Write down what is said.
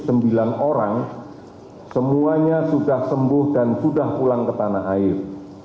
sembilan orang semuanya sudah sembuh dan sudah pulang ke tanah air